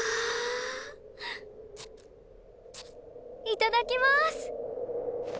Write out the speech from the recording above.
いただきます！